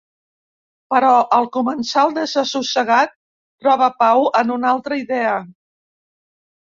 Però el comensal desassossegat troba pau en una altra idea.